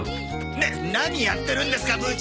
な何やってるんですか部長！